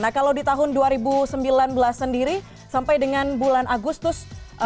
nah kalau di tahun dua ribu sembilan belas sendiri sampai dengan bulan agustus dua ribu sembilan belas